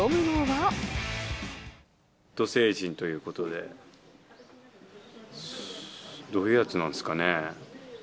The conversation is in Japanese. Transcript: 土星人ということで、どういうやつなんですかね。